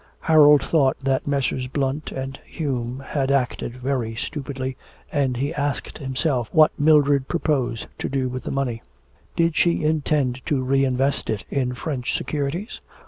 Harold thought that Messrs. Blunt and Hume had acted very stupidly, and he asked himself what Mildred proposed to do with the money. Did she intend to re invest it in French securities?